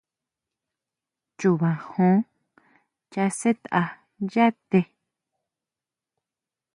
Chuba jon chasʼetʼa yá te.